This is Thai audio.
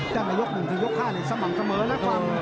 เจ้าตรงนี้มันคือยก๕ในสมังเสมอนะความ